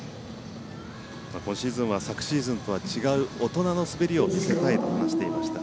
今シーズンは昨シーズンとは違う大人の滑りを見せたいと話していました。